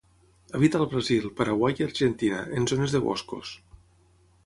Habita al Brasil, Paraguai i Argentina, en zones de boscos.